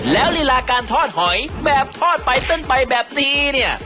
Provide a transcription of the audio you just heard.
แล้วลีลาการทอดหอยแบบทอดไปเต้นไปแบบนี้เนี่ย